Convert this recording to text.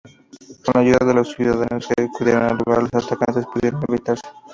Con la ayuda de los ciudadanos que acudieron al lugar, los atacantes pudieron evitarse.